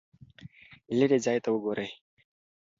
لیرې ځای ته وګورئ.